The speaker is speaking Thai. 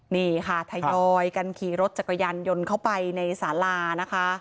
นี่ค่ะทยอยกันขี่รถจักรยานยนต์เข้าไปในสารานะคะ